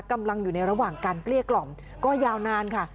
กำลังอยู่ในระหว่างการเกลี้ยกล่อมก็ยาวนานค่ะ